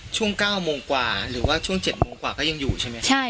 ช่วง๙โมงกว่าหรือว่าช่วง๗โมงกว่าก็ยังอยู่ใช่ไหมครับ